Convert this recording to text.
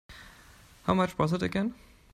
How much was it again?